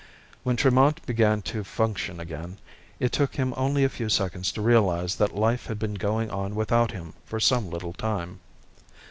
When Tremont began to function again, it took him only a few seconds to realize that life had been going on without him for some little time.